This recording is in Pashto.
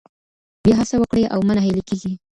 بیا هڅه وکړئ او مه نه هیلي کیږئ.